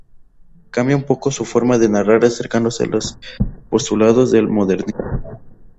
Cambia un poco su forma de narrar acercándose a los postulados del modernismo.